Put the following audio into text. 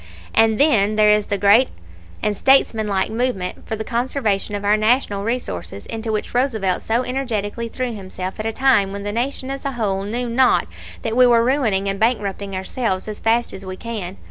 "And, then, there is the great and statesmanlike movement for the conservation of our National resources, into which Roosevelt so energetically threw himself at a time when the Nation as a whole knew not that we are ruining and bankrupting ourselves as fast as we can.